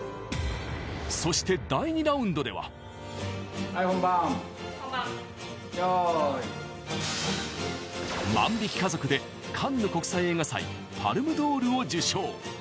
そして、第２ラウンドでは「万引き家族」でカンヌ国際映画祭パルム・ドールを受賞。